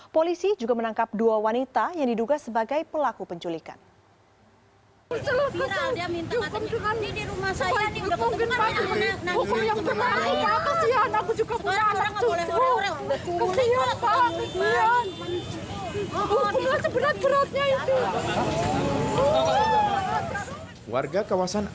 polisi juga menangkap dua wanita yang diduga sebagai pelaku penculikan